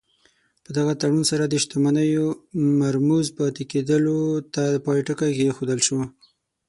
په دغه تړون سره د شتمنیو مرموز پاتې کېدلو ته پای ټکی کېښودل شو.